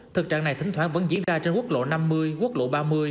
thực trạng này thỉnh thoảng vẫn diễn ra trên quốc lộ năm mươi quốc lộ ba mươi